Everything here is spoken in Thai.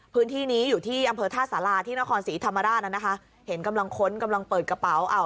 พื้นที่นี้อยู่ที่อำเภอท่าสาราที่นครศรีธรรมราชน่ะนะคะเห็นกำลังค้นกำลังเปิดกระเป๋า